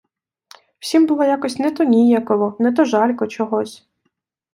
Всім було якось не то ніяково, не то жалько чогось.